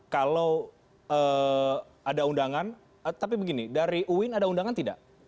kalau ada undangan tapi begini dari uin ada undangan tidak